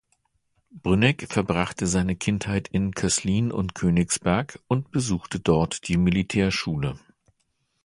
Brünneck verbrachte seine Kindheit in Köslin und Königsberg und besuchte dort die Militärschule.